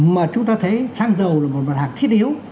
mà chúng ta thấy xăng dầu là một mặt hàng thiết yếu